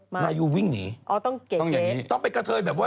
มายูวิ่งหนีต้องกะเทยแบบว่า